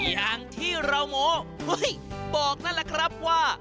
อย่างที่เราโงเฮ้ยบอกนั่นแหละครับว่า